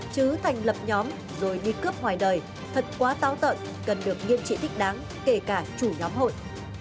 chứ thành lập nhóm rồi đi cướp ngoài đời thật quá táo tận cần được nghiêm trị thích đáng kể cả chủ nhóm hội